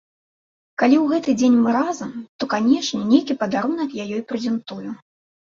Калі ў гэты дзень мы разам, то, канешне, нейкі падарунак я ёй прэзентую.